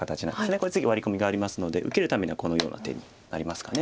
これ次ワリ込みがありますので受けるためにはこのような手になりますか。